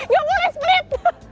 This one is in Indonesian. gak boleh split